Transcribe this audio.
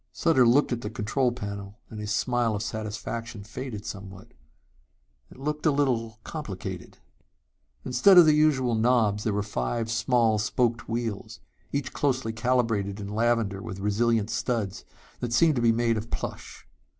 Sutter looked at the control panel and his smile of satisfaction faded somewhat. It looked a little complicated.... Instead of the usual knobs there were five small spoked wheels, each closely calibrated in lavender with resilient studs that seemed to be made of plush.